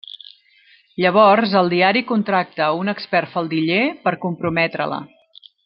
Llavors el diari contracta un expert faldiller per comprometre-la.